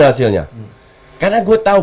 hasilnya karena gue tahu